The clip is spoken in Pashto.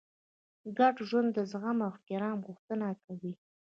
ګډ ژوند د زغم او احترام غوښتنه کوي.